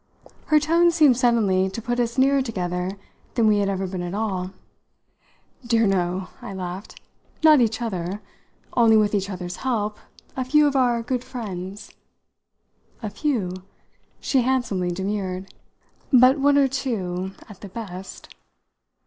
Her tone seemed suddenly to put us nearer together than we had ever been at all. "Dear no," I laughed "not each other; only with each other's help, a few of our good friends." "A few?" She handsomely demurred. "But one or two at the best."